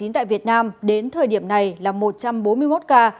tại việt nam đến thời điểm này là một trăm bốn mươi một ca